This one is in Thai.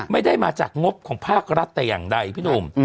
ไม่ได้มาจากงบของภาครัฐแต่อย่างใดพี่หนุ่ม